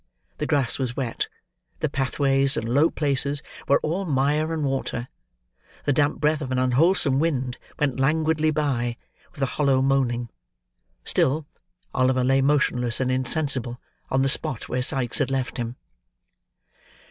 The grass was wet; the pathways, and low places, were all mire and water; the damp breath of an unwholesome wind went languidly by, with a hollow moaning. Still, Oliver lay motionless and insensible on the spot where Sikes had left him.